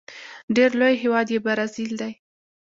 ډیر لوی هیواد یې برازيل دی.